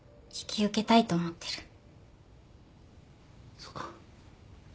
そうか。